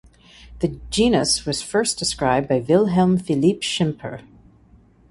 The genus was first described by Wilhelm Philippe Schimper.